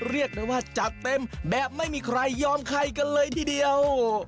เรียกได้ว่าจัดเต็มแบบไม่มีใครยอมใครกันเลยทีเดียว